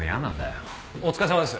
お疲れさまです。